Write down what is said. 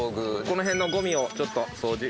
この辺のごみをちょっと掃除。